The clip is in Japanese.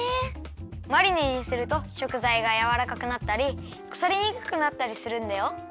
マリネにすると食材がやわらかくなったりくさりにくくなったりするんだよ。